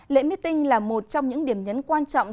lễ meeting là một trong những điểm nhấn quan trọng